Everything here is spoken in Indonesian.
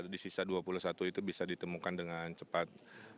di sisa dua puluh satu itu bisa ditemukan dengan cepat